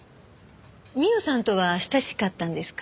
美緒さんとは親しかったんですか？